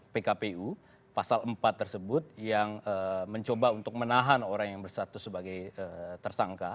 pkpu pasal empat tersebut yang mencoba untuk menahan orang yang bersatu sebagai tersangka